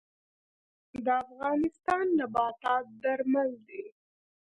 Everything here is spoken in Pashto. د افغانستان نباتات درمل دي